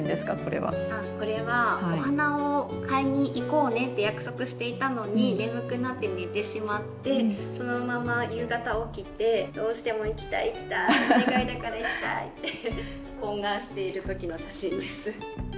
これはお花を買いにいこうねって約束していたのに眠くなって寝てしまってそのまま夕方起きてどうしても行きたい行きたいお願いだから行きたいって懇願している時の写真です。